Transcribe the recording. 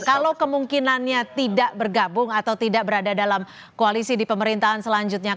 kalau kemungkinannya tidak bergabung atau tidak berada dalam koalisi di pemerintahan selanjutnya